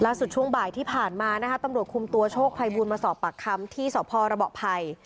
ช่วงบ่ายที่ผ่านมานะคะตำรวจคุมตัวโชคภัยบูลมาสอบปากคำที่สพรบภัย